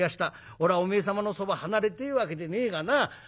おらおめえ様のそば離れてえわけでねえがな。